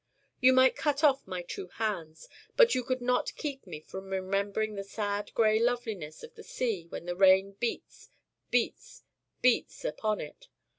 You might cut off my two hands: but you could not keep me from remembering the Sad Gray Loveliness of the Sea when the Rain beats, beats, beats upon it.